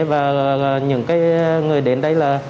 và những người đến đây là